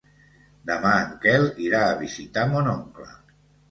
Demà en Quel irà a visitar mon oncle.